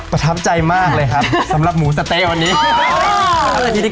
ประทับใจมากเลยครับสำหรับหมูสะเต๊ะวันนี้อะไรดี